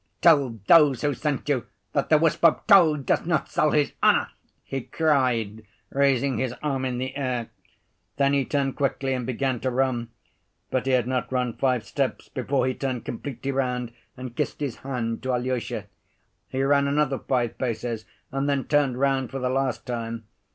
"Tell those who sent you that the wisp of tow does not sell his honor," he cried, raising his arm in the air. Then he turned quickly and began to run; but he had not run five steps before he turned completely round and kissed his hand to Alyosha. He ran another five paces and then turned round for the last time.